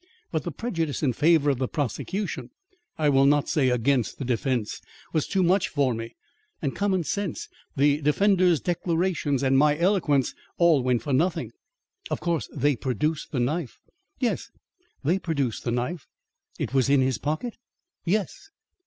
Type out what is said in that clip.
But the prejudice in favour of the prosecution I will not say against the defence was too much for me, and common sense, the defendant's declarations, and my eloquence all went for nothing." "Of course they produced the knife?" "Yes, they produced the knife." "It was in his pocket?" "Yes."